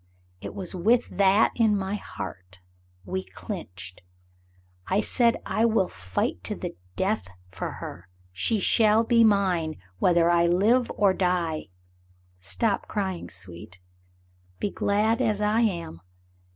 It was with that in my heart, we clinched. I said I will fight to the death for her. She shall be mine whether I live or die. Stop crying, sweet; be glad as I am.